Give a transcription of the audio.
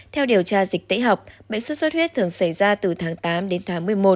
theo điều tra dịch tễ học bệnh xuất xuất huyết thường xảy ra từ tháng tám đến tháng một mươi một